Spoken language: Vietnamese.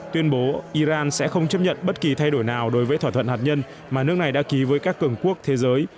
tuyên bố iran sẽ không chấp nhận bất kỳ thay đổi nào đối với thỏa thuận hạt nhân mà nước này đã ký với các cường quốc thế giới